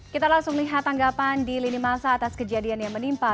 kita langsung lihat tanggapan di lini masa atas kejadian yang menimpa